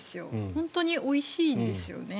本当においしいんですよね。